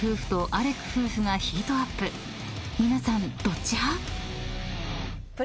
［皆さんどっち派？］